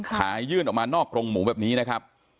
ยื่นออกมานอกกรงหมูแบบนี้นะครับ